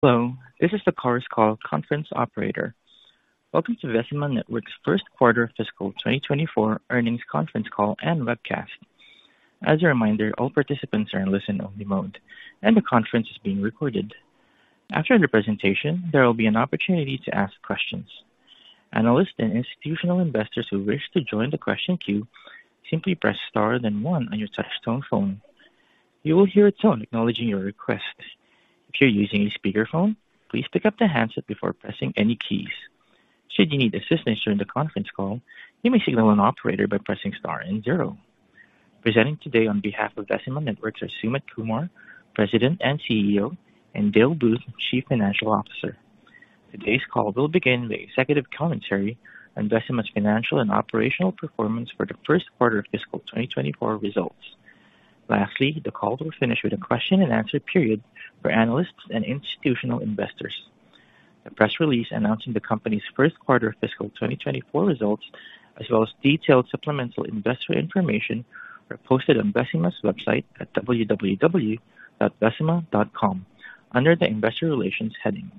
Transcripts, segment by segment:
Hello, this is the Chorus Call conference operator. Welcome to Vecima Networks' first quarter fiscal 2024 earnings conference call and webcast. As a reminder, all participants are in listen-only mode, and the conference is being recorded. After the presentation, there will be an opportunity to ask questions. Analysts and institutional investors who wish to join the question queue, simply press star then one on your touchtone phone. You will hear a tone acknowledging your request. If you're using a speakerphone, please pick up the handset before pressing any keys. Should you need assistance during the conference call, you may signal an operator by pressing star and zero. Presenting today on behalf of Vecima Networks are Sumit Kumar, President and CEO, and Dale Booth, Chief Financial Officer. Today's call will begin with executive commentary on Vecima's financial and operational performance for the first quarter of fiscal 2024 results. Lastly, the call will finish with a question and answer period for analysts and institutional investors. The press release announcing the company's first quarter of fiscal 2024 results, as well as detailed supplemental investor information, are posted on Vecima's website at www.vecima.com, under the Investor Relations heading.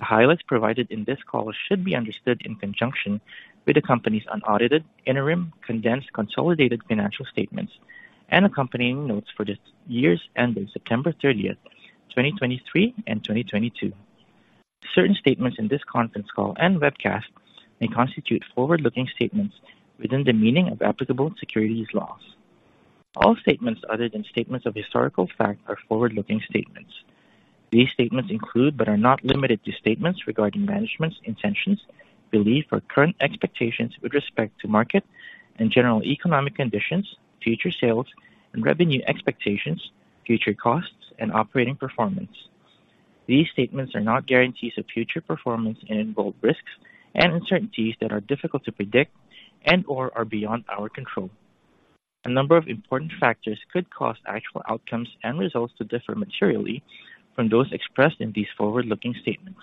The highlights provided in this call should be understood in conjunction with the company's unaudited, interim, condensed, consolidated financial statements, and accompanying notes for this year ending September 30, 2023 and 2022. Certain statements in this conference call and webcast may constitute forward-looking statements within the meaning of applicable securities laws. All statements other than statements of historical fact are forward-looking statements. These statements include, but are not limited to, statements regarding management's intentions, belief or current expectations with respect to market and general economic conditions, future sales and revenue expectations, future costs and operating performance. These statements are not guarantees of future performance and involve risks and uncertainties that are difficult to predict and/or are beyond our control. A number of important factors could cause actual outcomes and results to differ materially from those expressed in these forward-looking statements.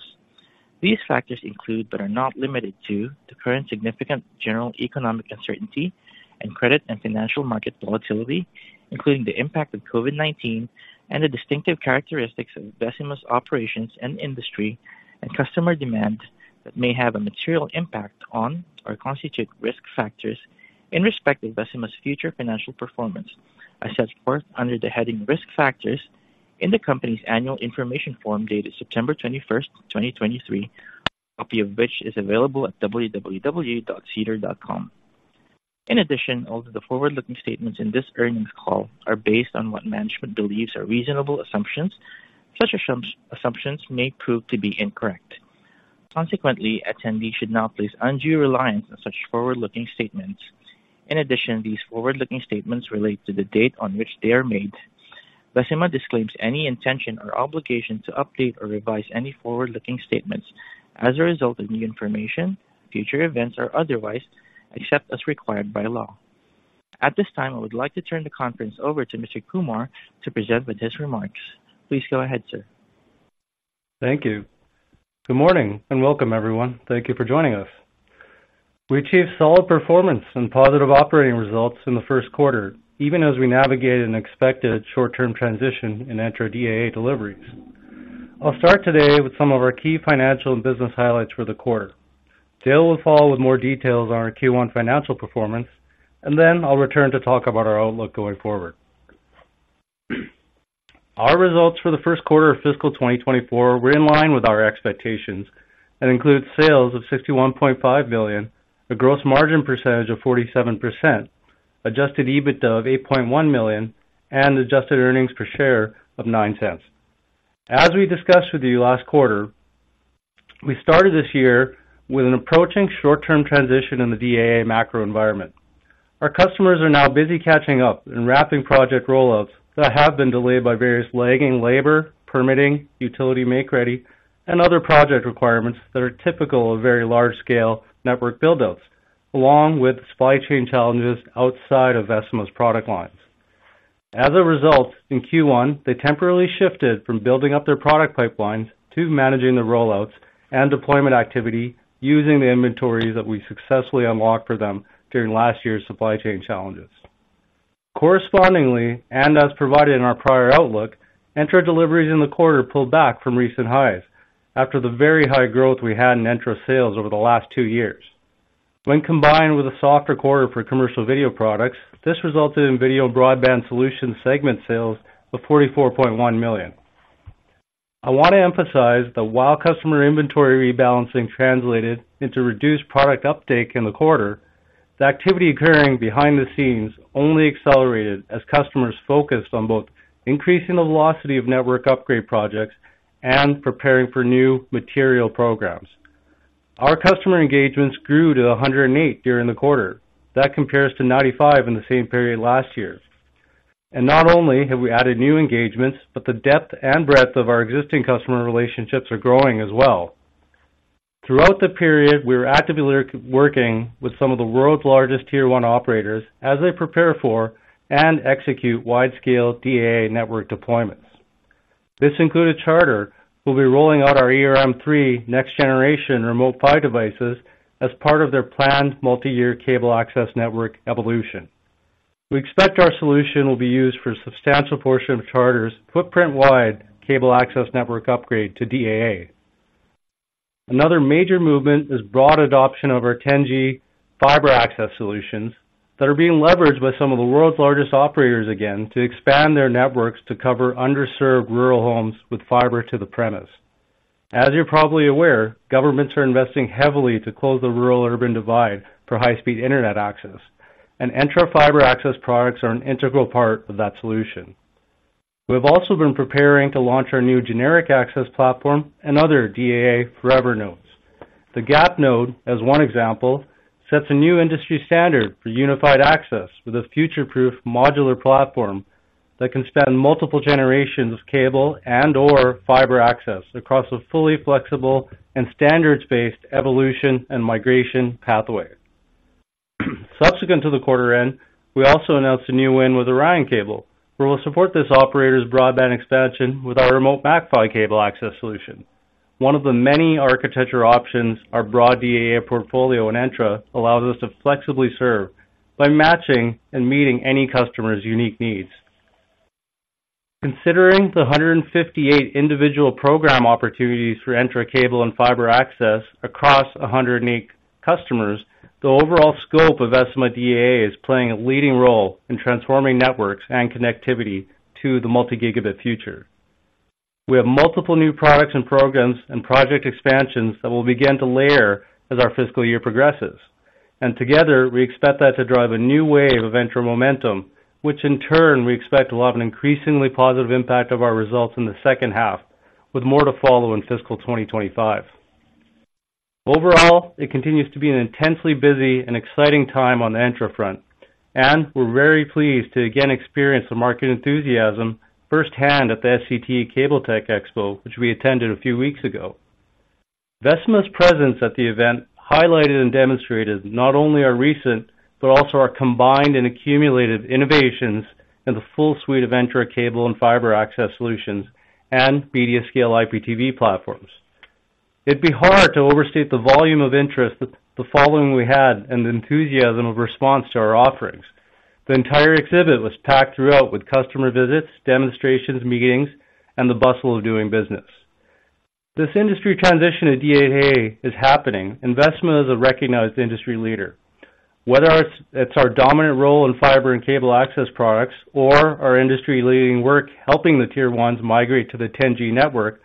These factors include, but are not limited to, the current significant general economic uncertainty and credit and financial market volatility, including the impact of COVID-19 and the distinctive characteristics of Vecima's operations and industry and customer demand that may have a material impact on or constitute risk factors in respect of Vecima's future financial performance, as set forth under the heading Risk Factors in the company's Annual Information Form dated September 21, 2023, a copy of which is available at www.sedar.com. In addition, although the forward-looking statements in this earnings call are based on what management believes are reasonable assumptions, such assumptions may prove to be incorrect. Consequently, attendees should not place undue reliance on such forward-looking statements. In addition, these forward-looking statements relate to the date on which they are made. Vecima disclaims any intention or obligation to update or revise any forward-looking statements as a result of new information, future events, or otherwise, except as required by law. At this time, I would like to turn the conference over to Mr. Kumar to present with his remarks. Please go ahead, sir. Thank you. Good morning, and welcome, everyone. Thank you for joining us. We achieved solid performance and positive operating results in the first quarter, even as we navigated an expected short-term transition in Entra DAA deliveries. I'll start today with some of our key financial and business highlights for the quarter. Dale will follow with more details on our Q1 financial performance, and then I'll return to talk about our outlook going forward. Our results for the first quarter of fiscal 2024 were in line with our expectations and include sales of 61.5 million, a gross margin percentage of 47%, Adjusted EBITDA of 8.1 million, and adjusted earnings per share of 0.09. As we discussed with you last quarter, we started this year with an approaching short-term transition in the DAA macro environment. Our customers are now busy catching up and wrapping project rollouts that have been delayed by various lagging labor, permitting, utility make-ready, and other project requirements that are typical of very large-scale network build-outs, along with supply chain challenges outside of Vecima's product lines. As a result, in Q1, they temporarily shifted from building up their product pipelines to managing the rollouts and deployment activity using the inventories that we successfully unlocked for them during last year's supply chain challenges. Correspondingly, and as provided in our prior outlook, Entra deliveries in the quarter pulled back from recent highs after the very high growth we had in Entra sales over the last two years. When combined with a softer quarter for Commercial video products, this resulted in Video and Broadband Solutions segment sales of 44.1 million. I want to emphasize that while customer inventory rebalancing translated into reduced product uptake in the quarter, the activity occurring behind the scenes only accelerated as customers focused on both increasing the velocity of network upgrade projects and preparing for new material programs. Our customer engagements grew to 108 during the quarter. That compares to 95 in the same period last year. Not only have we added new engagements, but the depth and breadth of our existing customer relationships are growing as well. Throughout the period, we were actively working with some of the world's largest Tier 1 operators as they prepare for and execute wide-scale DAA network deployments. This included Charter, who will be rolling out our ERM3 next generation Remote PHY devices as part of their planned multi-year cable access network evolution. We expect our solution will be used for a substantial portion of Charter's footprint-wide cable access network upgrade to DAA. Another major movement is broad adoption of our 10G fiber access solutions, that are being leveraged by some of the world's largest operators, again, to expand their networks to cover underserved rural homes with fiber to the premise. As you're probably aware, governments are investing heavily to close the rural-urban divide for high-speed internet access, and Entra Fiber Access products are an integral part of that solution. We've also been preparing to launch our new generic access platform and other DAA Forever Nodes. The GAP node, as one example, sets a new industry standard for unified access with a future-proof, modular platform that can span multiple generations of cable and/or fiber access across a fully flexible and standards-based evolution and migration pathway. Subsequent to the quarter end, we also announced a new win with Orion Cable, where we'll support this operator's broadband expansion with our remote backhaul cable access solution. One of the many architectural options, our broad DAA portfolio in Entra allows us to flexibly serve by matching and meeting any customer's unique needs. Considering the 158 individual program opportunities for Entra Cable and Fiber Access across 100 unique customers, the overall scope of Vecima DAA is playing a leading role in transforming networks and connectivity to the multi-gigabit future. We have multiple new products and programs and project expansions that will begin to layer as our fiscal year progresses. Together, we expect that to drive a new wave of Entra momentum, which in turn, we expect to have an increasingly positive impact of our results in the second half, with more to follow in fiscal 2025. Overall, it continues to be an intensely busy and exciting time on the Entra front, and we're very pleased to again experience the market enthusiasm firsthand at the SCTE Cable-Tec Expo, which we attended a few weeks ago. Vecima's presence at the event highlighted and demonstrated not only our recent, but also our combined and accumulated innovations in the full suite of Entra Cable and Fiber Access solutions and MediaScale IPTV platforms. It'd be hard to overstate the volume of interest, the following we had, and the enthusiasm of response to our offerings. The entire exhibit was packed throughout with customer visits, demonstrations, meetings, and the bustle of doing business. This industry transition to DAA is happening, and Vecima is a recognized industry leader. Whether it's our dominant role in fiber and cable access products or our industry-leading work helping the Tier 1s migrate to the 10G network,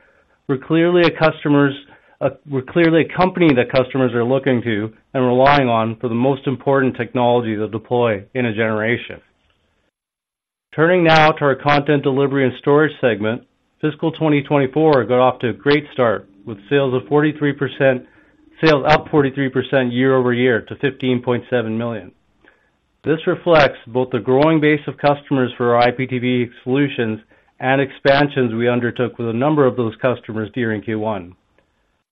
we're clearly a company that customers are looking to and relying on for the most important technology to deploy in a generation. Turning now to our Content Delivery and Storage segment, fiscal 2024 got off to a great start, with sales, of 43%, sales up 43% year-over-year to 15.7 million. This reflects both the growing base of customers for our IPTV solutions and expansions we undertook with a number of those customers during Q1.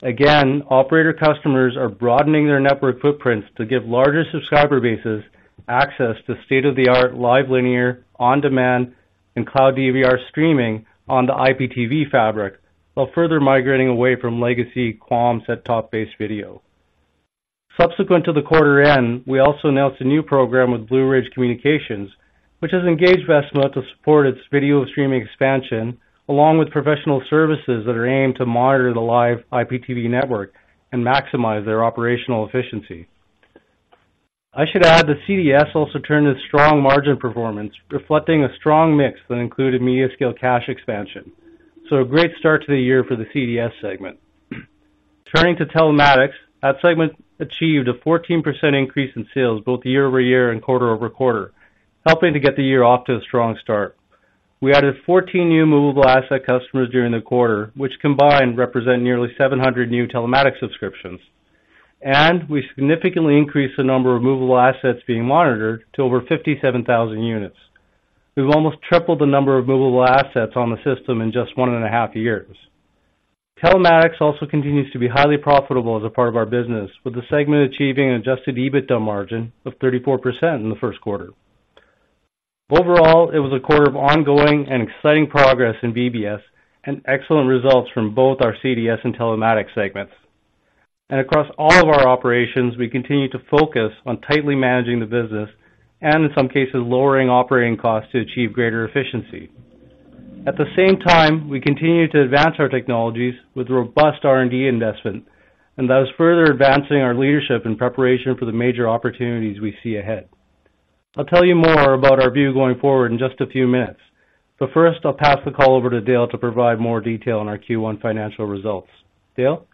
Again, operator customers are broadening their network footprints to give larger subscriber bases access to state-of-the-art live, linear, on-demand, and cloud DVR streaming on the IPTV fabric, while further migrating away from legacy QAM set-top based video. Subsequent to the quarter end, we also announced a new program with Blue Ridge Communications, which has engaged Vecima to support its video streaming expansion, along with professional services that are aimed to monitor the live IPTV network and maximize their operational efficiency. I should add that CDS also turned a strong margin performance, reflecting a strong mix that included MediaScale cache expansion. So a great start to the year for the CDS segment. Turning to Telematics, that segment achieved a 14% increase in sales both year-over-year and quarter-over-quarter, helping to get the year off to a strong start. We added 14 new movable asset customers during the quarter, which combined, represent nearly 700 new telematics subscriptions. We significantly increased the number of movable assets being monitored to over 57,000 units. We've almost tripled the number of movable assets on the system in just one and a half years. Telematics also continues to be highly profitable as a part of our business, with the segment achieving an adjusted EBITDA margin of 34% in the first quarter. Overall, it was a quarter of ongoing and exciting progress in VBS and excellent results from both our CDS and Telematics segments. Across all of our operations, we continue to focus on tightly managing the business and, in some cases, lowering operating costs to achieve greater efficiency. At the same time, we continue to advance our technologies with robust R&D investment, and that is further advancing our leadership in preparation for the major opportunities we see ahead. I'll tell you more about our view going forward in just a few minutes, but first, I'll pass the call over to Dale to provide more detail on our Q1 financial results. Dale?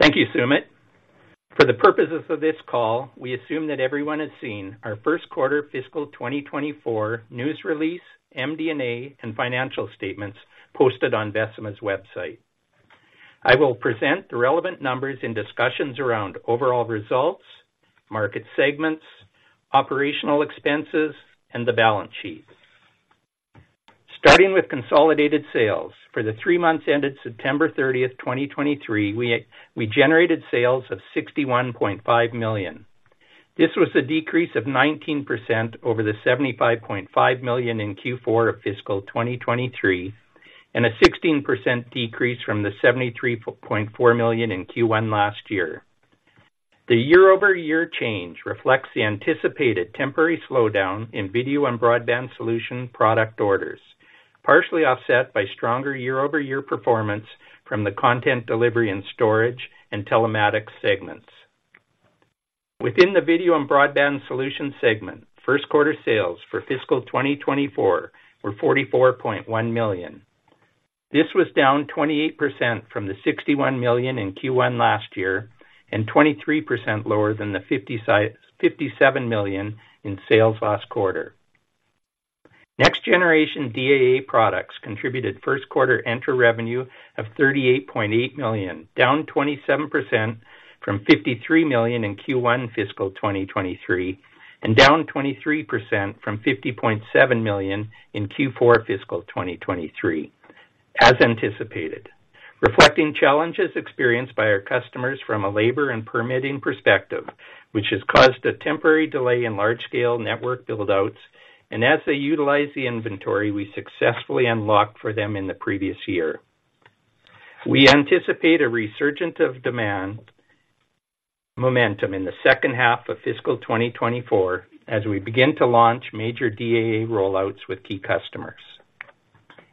Thank you, Sumit. For the purposes of this call, we assume that everyone has seen our first quarter fiscal 2024 news release, MD&A, and financial statements posted on Vecima's website. I will present the relevant numbers and discussions around overall results, market segments, operational expenses, and the balance sheet. Starting with consolidated sales, for the three months ended September 30, 2023, we generated sales of 61.5 million. This was a decrease of 19% over the 75.5 million in Q4 of fiscal 2023, and a 16% decrease from the 73.4 million in Q1 last year. The year-over-year change reflects the anticipated temporary slowdown in Video and Broadband Solution product orders, partially offset by stronger year-over-year performance from the Content Delivery and Storage and Telematics segments. Within the Video and Broadband Solutions segment, first quarter sales for fiscal 2024 were 44.1 million. This was down 28% from the 61 million in Q1 last year, and 23% lower than the 57 million in sales last quarter. Next generation DAA products contributed first quarter Entra revenue of 38.8 million, down 27% from 53 million in Q1 fiscal 2023, and down 23% from 50.7 million in Q4 fiscal 2023, as anticipated. Reflecting challenges experienced by our customers from a labor and permitting perspective, which has caused a temporary delay in large-scale network buildouts, and as they utilize the inventory we successfully unlocked for them in the previous year. We anticipate a resurgence of demand momentum in the second half of fiscal 2024 as we begin to launch major DAA rollouts with key customers.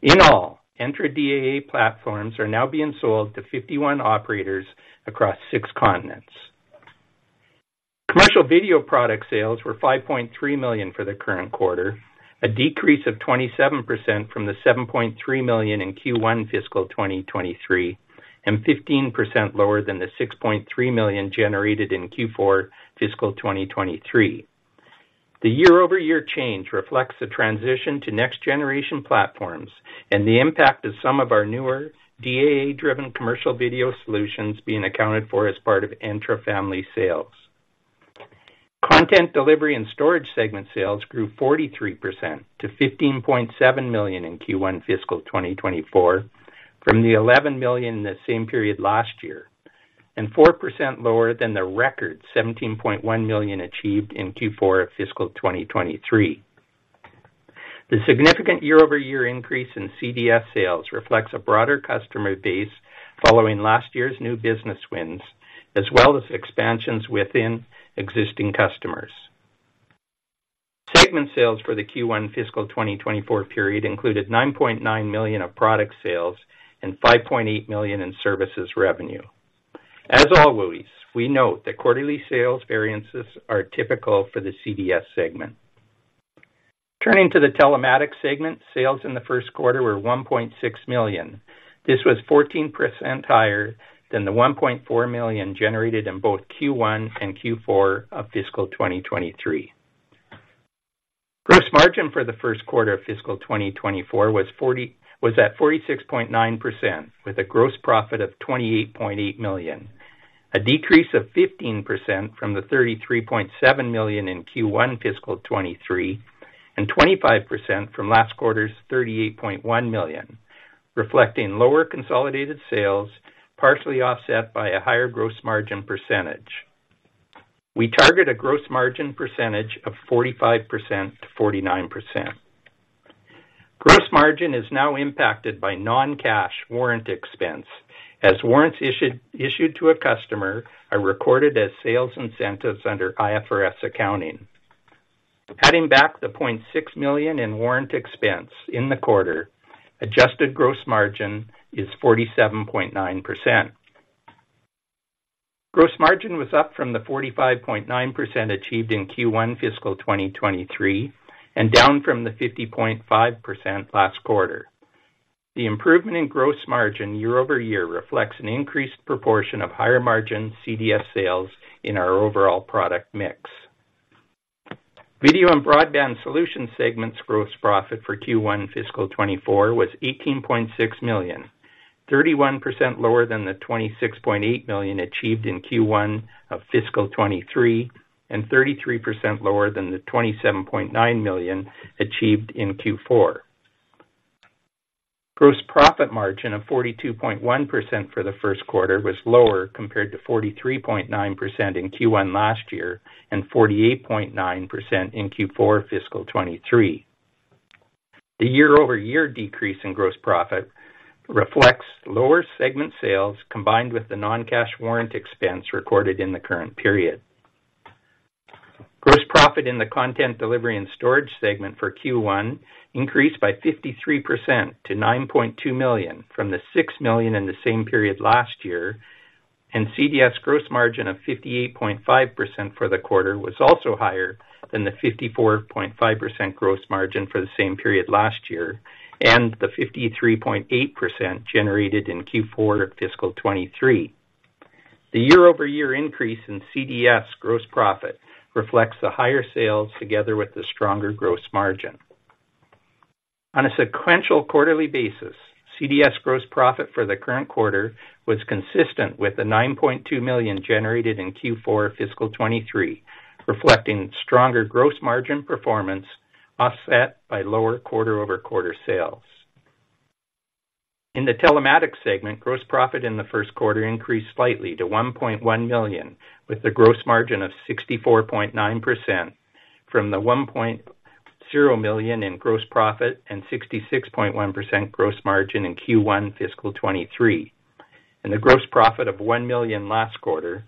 In all, Entra DAA platforms are now being sold to 51 operators across six continents. Commercial Video product sales were 5.3 million for the current quarter, a decrease of 27% from the 7.3 million in Q1 fiscal 2023, and 15% lower than the 6.3 million generated in Q4 fiscal 2023. The year-over-year change reflects the transition to next generation platforms and the impact of some of our newer DAA-driven Commercial Video Solutions being accounted for as part of Entra family sales. Content Delivery and Storage segment sales grew 43% to 15.7 million in Q1 fiscal 2024, from the 11 million in the same period last year, and 4% lower than the record 17.1 million achieved in Q4 of fiscal 2023. The significant year-over-year increase in CDS sales reflects a broader customer base following last year's new business wins, as well as expansions within existing customers. Segment sales for the Q1 fiscal 2024 period included 9.9 million of product sales and 5.8 million in services revenue. As always, we note that quarterly sales variances are typical for the CDS segment. Turning to the Telematics segment, sales in the first quarter were 1.6 million. This was 14% higher than the 1.4 million generated in both Q1 and Q4 of fiscal 2023. Gross margin for the first quarter of fiscal 2024 was at 46.9%, with a gross profit of 28.8 million, a decrease of 15% from the 33.7 million in Q1 fiscal 2023, and 25% from last quarter's 38.1 million, reflecting lower consolidated sales, partially offset by a higher gross margin percentage. We target a gross margin percentage of 45%-49%. Gross margin is now impacted by non-cash warrant expense, as warrants issued to a customer are recorded as sales incentives under IFRS Accounting. Adding back the 0.6 million in warrant expense in the quarter, adjusted gross margin is 47.9%. Gross margin was up from the 45.9% achieved in Q1 fiscal 2023, and down from the 50.5% last quarter. The improvement in gross margin year-over-year reflects an increased proportion of higher-margin CDS sales in our overall product mix. Video and Broadband Solutions segment's gross profit for Q1 fiscal 2024 was 18.6 million, 31% lower than the 26.8 million achieved in Q1 of fiscal 2023, and 33% lower than the 27.9 million achieved in Q4. Gross profit margin of 42.1% for the first quarter was lower compared to 43.9% in Q1 last year and 48.9% in Q4 fiscal 2023. The year-over-year decrease in gross profit reflects lower segment sales, combined with the non-cash warrant expense recorded in the current period. Gross profit in the Content Delivery and Storage segment for Q1 increased by 53% to 9.2 million from the 6 million in the same period last year, and CDS gross margin of 58.5% for the quarter was also higher than the 54.5% gross margin for the same period last year, and the 53.8% generated in Q4 fiscal 2023. The year-over-year increase in CDS gross profit reflects the higher sales together with the stronger gross margin. On a sequential quarterly basis, CDS gross profit for the current quarter was consistent with the 9.2 million generated in Q4 fiscal 2023, reflecting stronger gross margin performance, offset by lower quarter-over-quarter sales. In the telematics segment, gross profit in the first quarter increased slightly to 1.1 million, with a gross margin of 64.9% from the 1.0 million in gross profit and 66.1% gross margin in Q1 fiscal 2023, and a gross profit of 1 million last quarter,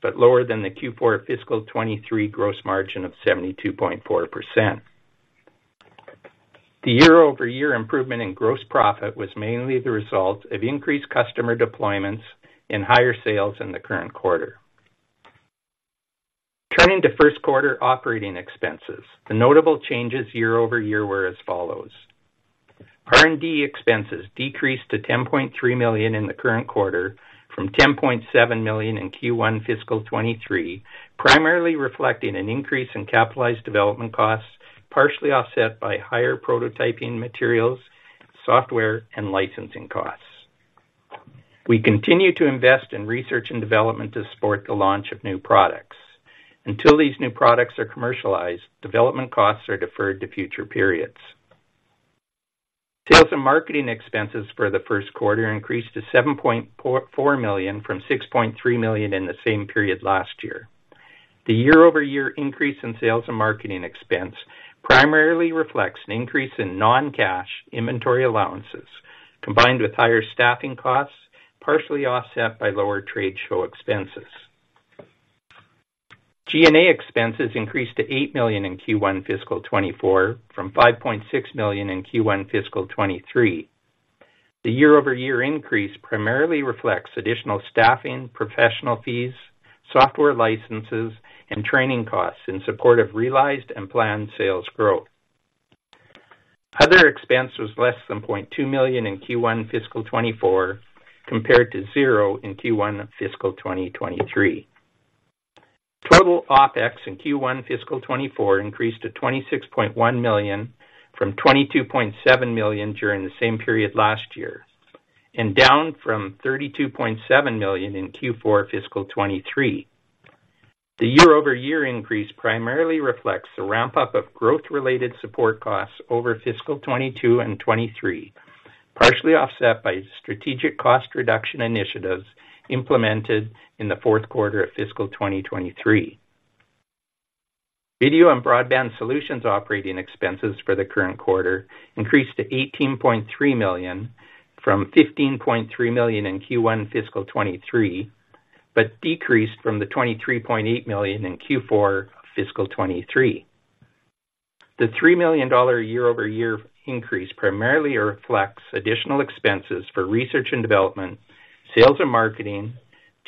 but lower than the Q4 fiscal 2023 gross margin of 72.4%. The year-over-year improvement in gross profit was mainly the result of increased customer deployments and higher sales in the current quarter. Turning to first quarter operating expenses, the notable changes year-over-year were as follows: R&D expenses decreased to CAD 10.3 million in the current quarter from CAD 10.7 million in Q1 fiscal 2023, primarily reflecting an increase in capitalized development costs, partially offset by higher prototyping materials, software, and licensing costs. We continue to invest in research and development to support the launch of new products. Until these new products are commercialized, development costs are deferred to future periods. Sales and marketing expenses for the first quarter increased to 7.4 million, from 6.3 million in the same period last year. The year-over-year increase in sales and marketing expense primarily reflects an increase in non-cash inventory allowances, combined with higher staffing costs, partially offset by lower trade show expenses. G&A expenses increased to 8 million in Q1 fiscal 2024, from 5.6 million in Q1 fiscal 2023. The year-over-year increase primarily reflects additional staffing, professional fees, software licenses, and training costs in support of realized and planned sales growth. Other expense was less than 0.2 million in Q1 fiscal 2024, compared to 0 in Q1 fiscal 2023. Total OpEx in Q1 fiscal 2024 increased to 26.1 million, from 22.7 million during the same period last year, and down from 32.7 million in Q4 fiscal 2023. The year-over-year increase primarily reflects the ramp-up of growth-related support costs over fiscal 2022 and 2023, partially offset by strategic cost reduction initiatives implemented in the fourth quarter of fiscal 2023. Video and Broadband Solutions operating expenses for the current quarter increased to 18.3 million from 15.3 million in Q1 fiscal 2023, but decreased from the 23.8 million in Q4 fiscal 2023. The 3 million dollar year-over-year increase primarily reflects additional expenses for research and development, sales and marketing,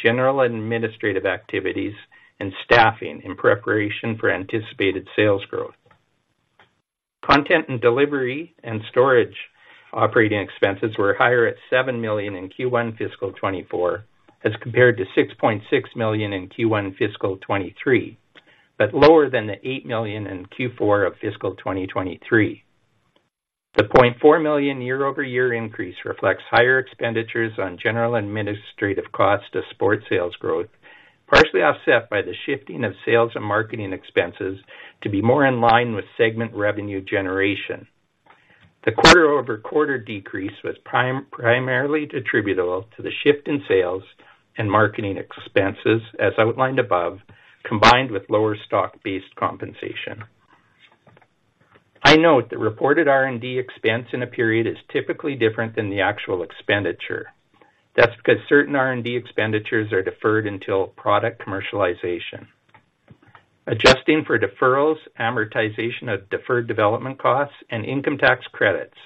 general administrative activities, and staffing in preparation for anticipated sales growth. Content Delivery and Storage operating expenses were higher at 7 million in Q1 fiscal 2024, as compared to 6.6 million in Q1 fiscal 2023, but lower than the 8 million in Q4 of fiscal 2023. The 0.4 million year-over-year increase reflects higher expenditures on general administrative costs to support sales growth, partially offset by the shifting of sales and marketing expenses to be more in line with segment revenue generation. The quarter-over-quarter decrease was primarily attributable to the shift in sales and marketing expenses, as outlined above, combined with lower stock-based compensation. I note that reported R&D expense in a period is typically different than the actual expenditure. That's because certain R&D expenditures are deferred until product commercialization. Adjusting for deferrals, amortization of deferred development costs, and income tax credits,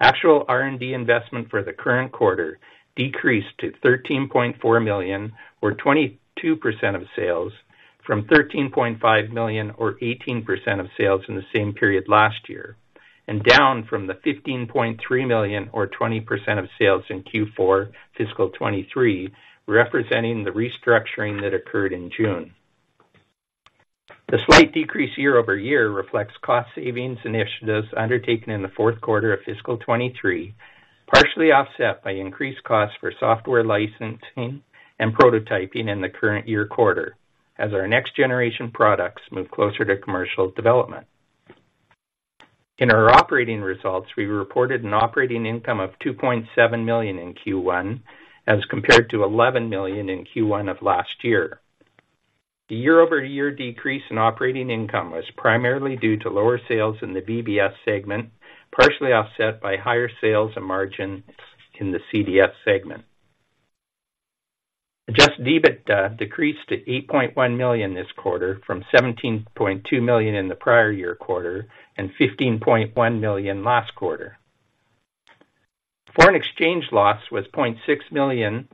actual R&D investment for the current quarter decreased to 13.4 million, or 22% of sales, from 13.5 million, or 18% of sales in the same period last year, and down from the 15.3 million, or 20% of sales in Q4 fiscal 2023, representing the restructuring that occurred in June. The slight decrease year-over-year reflects cost savings initiatives undertaken in the fourth quarter of fiscal 2023, partially offset by increased costs for software licensing and prototyping in the current year quarter, as our next generation products move closer to commercial development. In our operating results, we reported an operating income of 2.7 million in Q1, as compared to 11 million in Q1 of last year. The year-over-year decrease in operating income was primarily due to lower sales in the VBS segment, partially offset by higher sales and margin in the CDS segment. Adjusted EBITDA decreased to 8.1 million this quarter from 17.2 million in the prior year quarter and 15.1 million last quarter. Foreign exchange loss was 0.6 million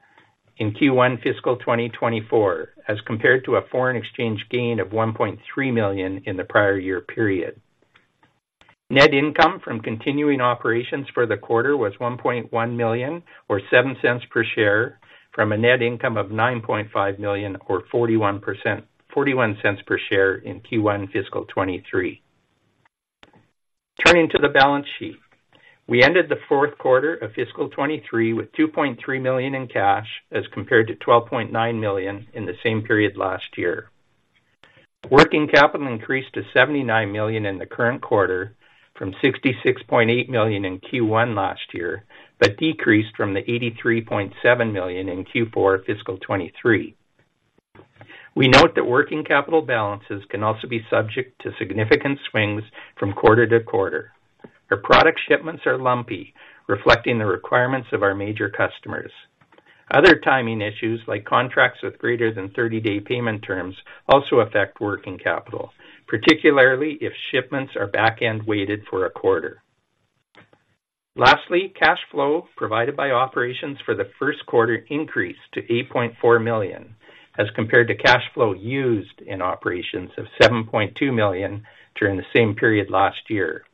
in Q1 fiscal 2024, as compared to a foreign exchange gain of 1.3 million in the prior year period. Net income from continuing operations for the quarter was 1.1 million, or 0.07 per share, from a net income of 9.5 million, or 41%, 0.41 per share in Q1 fiscal 2023. Turning to the balance sheet. We ended the fourth quarter of fiscal 2023 with 2.3 million in cash, as compared to 12.9 million in the same period last year. Working capital increased to 79 million in the current quarter from 66.8 million in Q1 last year, but decreased from the 83.7 million in Q4 fiscal 2023. We note that working capital balances can also be subject to significant swings from quarter to quarter. Our product shipments are lumpy, reflecting the requirements of our major customers. Other timing issues, like contracts with greater than 30-day payment terms, also affect working capital, particularly if shipments are back-end weighted for a quarter. Lastly, cash flow provided by operations for the first quarter increased to 8.4 million, as compared to cash flow used in operations of 7.2 million during the same period last year.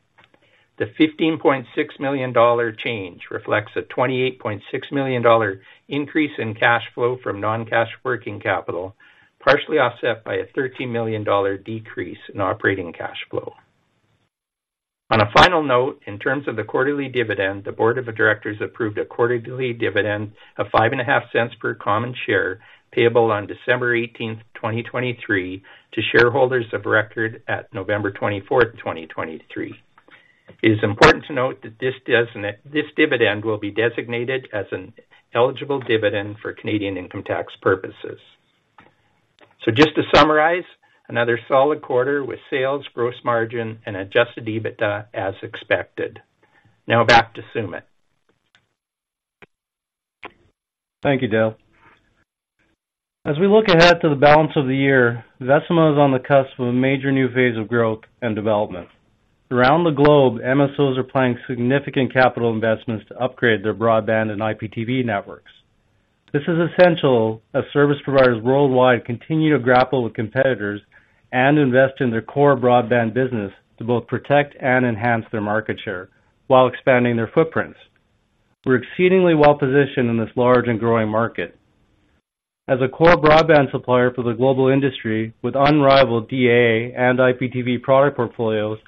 The 15.6 million dollar change reflects a 28.6 million dollar increase in cash flow from non-cash working capital, partially offset by a 13 million dollar decrease in operating cash flow. On a final note, in terms of the quarterly dividend, the board of directors approved a quarterly dividend of 0.055 per common share, payable on December 18th, 2023, to shareholders of record at November 24th, 2023. It is important to note that this dividend will be designated as an eligible dividend for Canadian income tax purposes. Just to summarize, another solid quarter with sales, gross margin, and Adjusted EBITDA as expected. Now back to Sumit. Thank you, Dale. As we look ahead to the balance of the year, Vecima is on the cusp of a major new phase of growth and development. Around the globe, MSOs are planning significant capital investments to upgrade their broadband and IPTV networks. This is essential as service providers worldwide continue to grapple with competitors and invest in their core broadband business to both protect and enhance their market share while expanding their footprints. We're exceedingly well positioned in this large and growing market. As a core broadband supplier for the global industry, with unrivaled DAA and IPTV product portfolios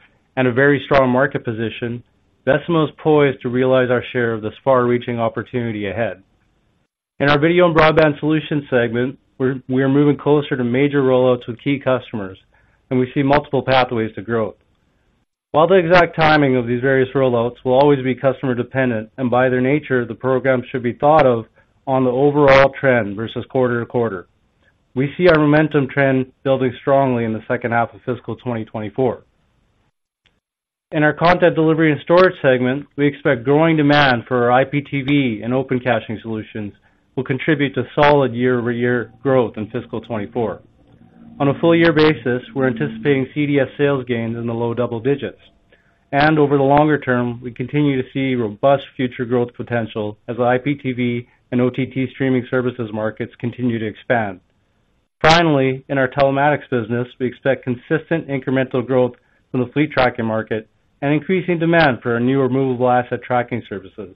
and a very strong market position, Vecima is poised to realize our share of this far-reaching opportunity ahead. In our Video and Broadband Solutions segment, we're, we are moving closer to major rollouts with key customers, and we see multiple pathways to growth. While the exact timing of these various rollouts will always be customer dependent, and by their nature, the program should be thought of on the overall trend versus quarter-to-quarter. We see our momentum trend building strongly in the second half of fiscal 2024. In our Content Delivery and Storage segment, we expect growing demand for our IPTV and open caching solutions will contribute to solid year-over-year growth in fiscal 2024. On a full year basis, we're anticipating CDS sales gains in the low double digits, and over the longer term, we continue to see robust future growth potential as the IPTV and OTT streaming services markets continue to expand. Finally, in our telematics business, we expect consistent incremental growth from the fleet tracking market and increasing demand for our new movable asset tracking services.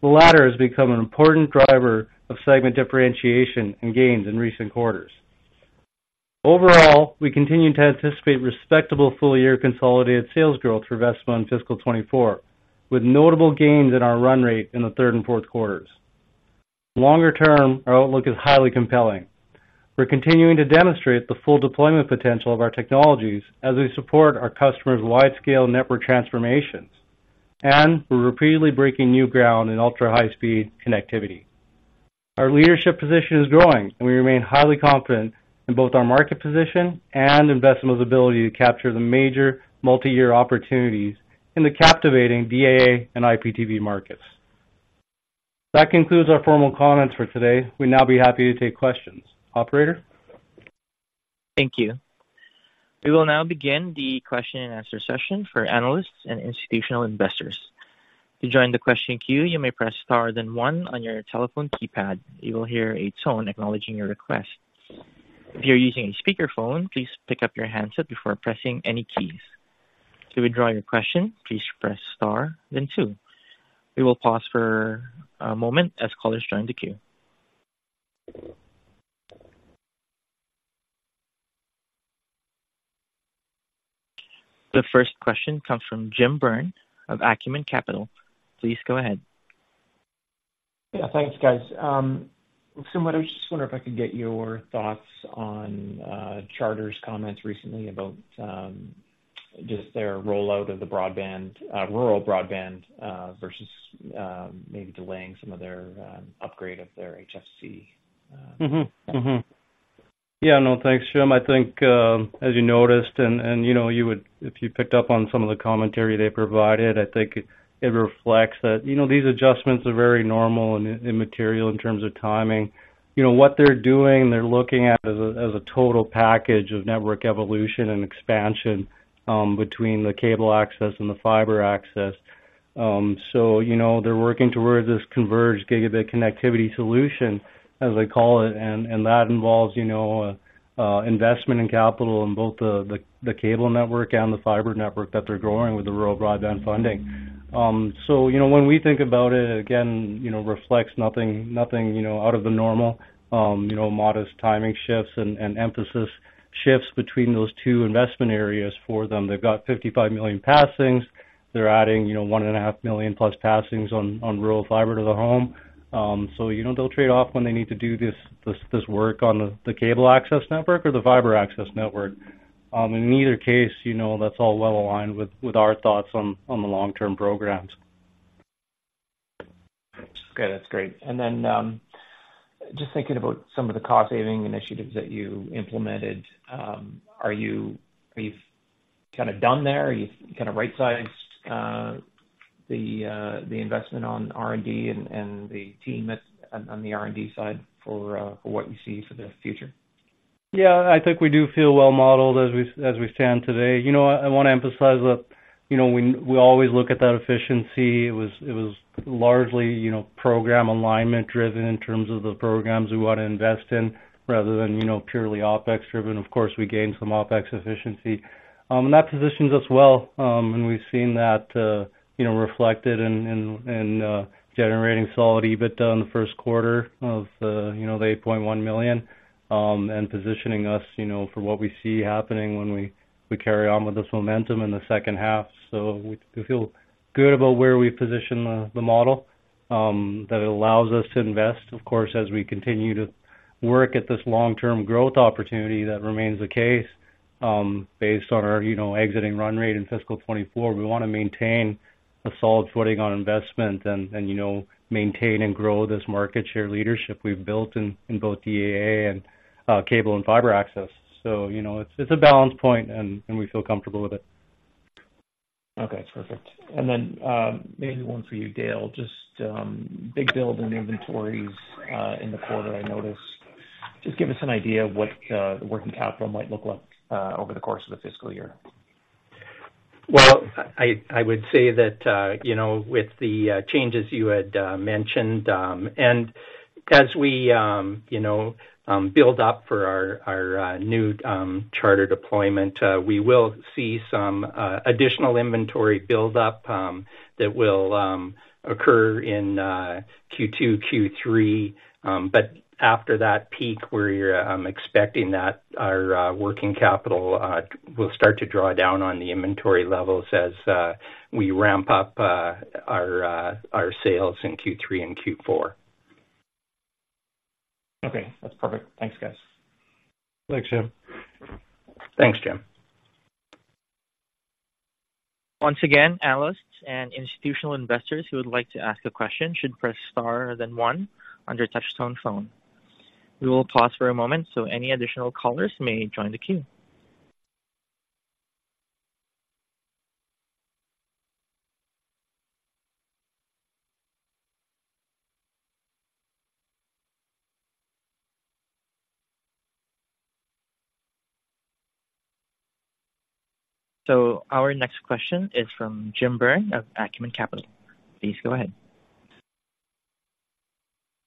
The latter has become an important driver of segment differentiation and gains in recent quarters. Overall, we continue to anticipate respectable full-year consolidated sales growth for Vecima in fiscal 2024, with notable gains in our run rate in the third and fourth quarters. Longer term, our outlook is highly compelling. We're continuing to demonstrate the full deployment potential of our technologies as we support our customers' wide-scale network transformations, and we're repeatedly breaking new ground in ultra-high-speed connectivity. Our leadership position is growing, and we remain highly confident in both our market position and in Vecima's ability to capture the major multiyear opportunities in the captivating DAA and IPTV markets. That concludes our formal comments for today. We'd now be happy to take questions. Operator? Thank you. We will now begin the question and answer session for analysts and institutional investors. To join the question queue, you may press star, then one on your telephone keypad. You will hear a tone acknowledging your request. If you're using a speakerphone, please pick up your handset before pressing any keys. To withdraw your question, please press star then two. We will pause for a moment as callers join the queue. The first question comes from Jim Byrne of Acumen Capital. Please go ahead. Yeah, thanks, guys. Sumit, I was just wondering if I could get your thoughts on, Charter's comments recently about, just their rollout of the broadband, rural broadband, versus, maybe delaying some of their, upgrade of their HFC. Mm-hmm. Mm-hmm. Yeah. No, thanks, Jim. I think, as you noticed and, you know, you would... If you picked up on some of the commentary they provided, I think it reflects that, you know, these adjustments are very normal and immaterial in terms of timing. You know, what they're doing, they're looking at as a total package of network evolution and expansion, between the cable access and the fiber access. So, you know, they're working towards this converged gigabit connectivity solution, as they call it, and that involves, you know, investment in capital in both the cable network and the fiber network that they're growing with the rural broadband funding. So, you know, when we think about it, again, you know, reflects nothing, nothing, you know, out of the normal, you know, modest timing shifts and emphasis shifts between those two investment areas for them. They've got 55 million passings. They're adding, you know, 1.5 million-plus passings on rural fiber to the home. So, you know, they'll trade off when they need to do this work on the cable access network or the fiber access network. In either case, you know, that's all well aligned with our thoughts on the long-term programs. Okay, that's great. And then, just thinking about some of the cost-saving initiatives that you implemented, are you kind of done there? Are you kind of right-sized the investment on R&D and the team on the R&D side for what you see for the future? Yeah, I think we do feel well modeled as we stand today. You know what? I want to emphasize that, you know, we always look at that efficiency. It was largely, you know, program alignment driven in terms of the programs we want to invest in, rather than, you know, purely OpEx driven. Of course, we gained some OpEx efficiency. And that positions us well, and we've seen that, you know, reflected in generating solid EBITDA in the first quarter of 8.1 million, and positioning us, you know, for what we see happening when we carry on with this momentum in the second half. So we feel good about where we position the model, that it allows us to invest. Of course, as we continue to work at this long-term growth opportunity, that remains the case, based on our, you know, existing run rate in fiscal 2024. We want to maintain a solid footing on investment and, you know, maintain and grow this market share leadership we've built in both DAA and cable and fiber access. So, you know, it's a balance point, and we feel comfortable with it. Okay, perfect. And then, maybe one for you, Dale. Just, big build in inventories, in the quarter, I noticed. Just give us an idea of what, the working capital might look like, over the course of the fiscal year. Well, I would say that, you know, with the changes you had mentioned, and as we, you know, build up for our new Charter deployment, we will see some additional inventory build up, that will occur in Q2, Q3. But after that peak, we're expecting that our working capital will start to draw down on the inventory levels as we ramp up our sales in Q3 and Q4. Okay, that's perfect. Thanks, guys. Thanks, Jim. Thanks, Jim. Once again, analysts and institutional investors who would like to ask a question should press star, then one, on touchtone phone. We will pause for a moment so any additional callers may join the queue. So our next question is from Jim Byrne of Acumen Capital. Please go ahead.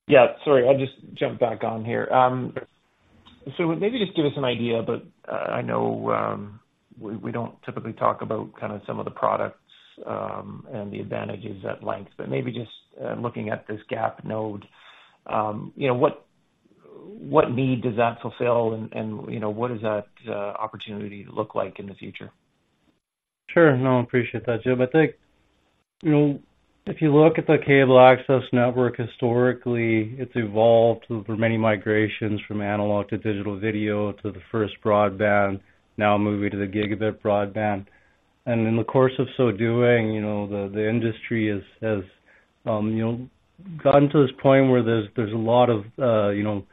Yeah, sorry, I just jumped back on here. So maybe just give us an idea, but I know we don't typically talk about kind of some of the products and the advantages at length, but maybe just looking at this GAP node, you know, what need does that fulfill and, you know, what does that opportunity look like in the future? Sure. No, I appreciate that, Jim. I think, you know, if you look at the cable access network, historically, it's evolved through many migrations from analog to digital video to the first broadband, now moving to the gigabit broadband. And in the course of so doing, you know, the industry has gotten to this point where there's a lot of, you know,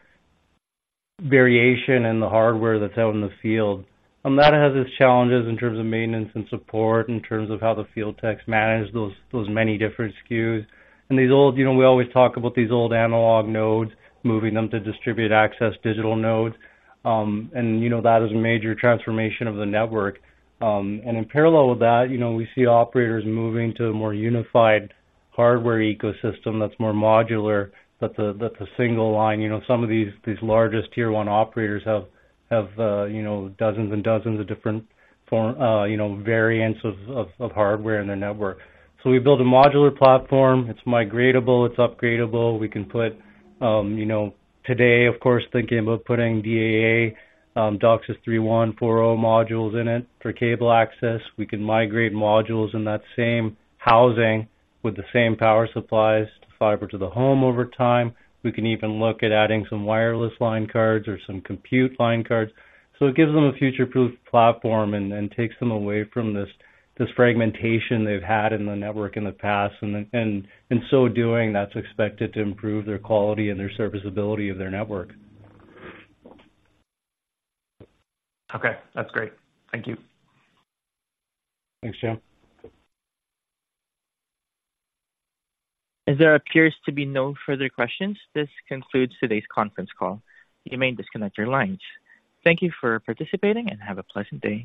variation in the hardware that's out in the field. And that has its challenges in terms of maintenance and support, in terms of how the field techs manage those many different SKUs. And these old, you know, we always talk about these old analog nodes, moving them to distributed access digital nodes. And, you know, that is a major transformation of the network. And in parallel with that, you know, we see operators moving to a more unified hardware ecosystem that's more modular, that the single line, you know, some of these largest Tier 1 operators have dozens and dozens of different form variants of hardware in their network. So we build a modular platform. It's migratable, it's upgradable. We can put, you know, today, of course, thinking about putting DAA, DOCSIS 3.1, 4.0 modules in it for cable access. We can migrate modules in that same housing with the same power supplies to fiber to the home over time. We can even look at adding some wireless line cards or some compute line cards. So it gives them a future-proof platform and takes them away from this fragmentation they've had in the network in the past, and then, and in so doing, that's expected to improve their quality and their serviceability of their network. Okay, that's great. Thank you. Thanks, Jim. As there appears to be no further questions, this concludes today's conference call. You may disconnect your lines. Thank you for participating and have a pleasant day.